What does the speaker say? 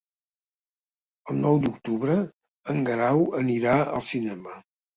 El nou d'octubre en Guerau anirà al cinema.